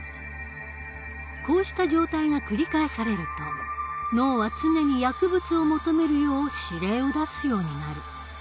こうした状態が繰り返されると脳は常に薬物を求めるよう指令を出すようになる。